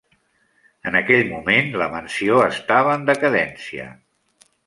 En aquell moment, la mansió estava en decadència.